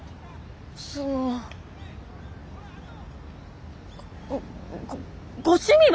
そのごご趣味は？